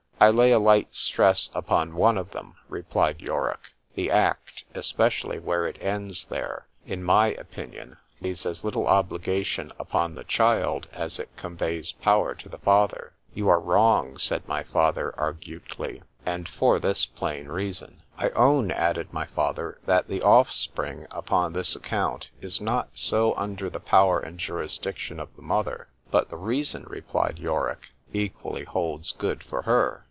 I lay a slight stress upon one of them, replied Yorick——the act, especially where it ends there, in my opinion lays as little obligation upon the child, as it conveys power to the father.—You are wrong,—said my father argutely, and for this plain reason *.—I own, added my father, that the offspring, upon this account, is not so under the power and jurisdiction of the mother.—But the reason, replied Yorick, equally holds good for her.